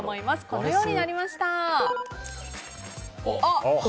このようになりました。